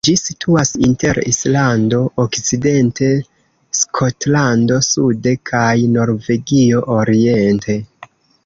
Ĝi situas inter Islando okcidente, Skotlando sude kaj Norvegio oriente.